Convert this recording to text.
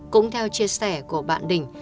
cũng theo chia sẻ của bạn đình